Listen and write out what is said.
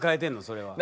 それは。